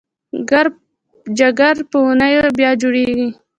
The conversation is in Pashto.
جګر په اونیو بیا جوړېږي.